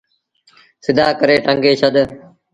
سڌآ ڪري ٽنگي ڇڏ۔